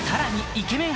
イケメン